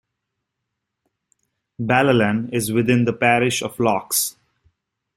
Balallan is within the parish of Lochs.